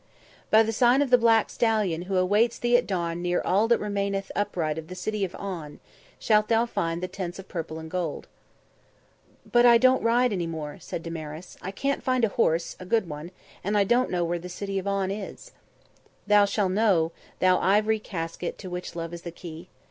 "By the sign of the black stallion who awaits thee at dawn near all that remaineth upright of the City of On, shalt thou find the Tents of Purple and Gold." "But I don't ride any more," said Damaris. "I can't find a horse, a good one, and I don't know where the City of On is." "Thou shall know, thou ivory casket to which love is the key.